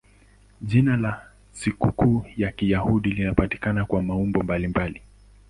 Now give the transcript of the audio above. Jina la sikukuu ya Kiyahudi linapatikana kwa maumbo mbalimbali.